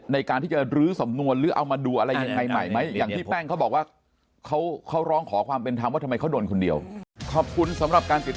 ในการที่จะลื้อสำนวนหรือเอามาดูอะไรยังไงใหม่ไหม